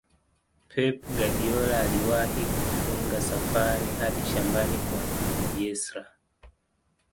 pep guardiola aliwahi kufunga safari hadi shambani kwa bielsa